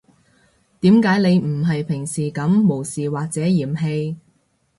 點解你唔係平時噉無視或者嫌棄